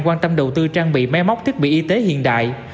quan tâm đầu tư trang bị máy móc thiết bị y tế hiện đại